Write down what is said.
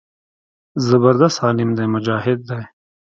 زبردست عالم دى مجاهد دى.